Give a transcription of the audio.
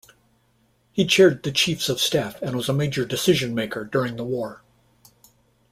He chaired the Chiefs of Staff and was a major decision-maker during the war.